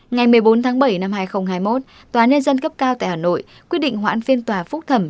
ngày một mươi bốn tháng bảy năm hai nghìn hai mươi một tòa nhân dân cấp cao tại hà nội quyết định hoãn phiên tòa phúc thẩm